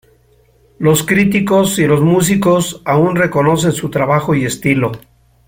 Los críticos y los músicos aún reconocen su trabajo y estilo.